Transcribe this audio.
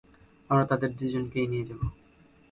আমরা তাদের দুজনকেই নিয়ে যাবো।